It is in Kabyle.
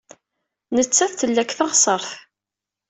Nettat tella deg teɣsert.